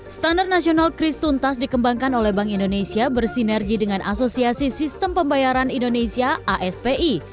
standar nasional kris tuntas dikembangkan oleh bank indonesia bersinergi dengan asosiasi sistem pembayaran indonesia aspi